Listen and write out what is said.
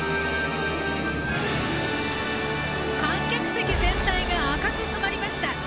客席全体が赤く染まりました。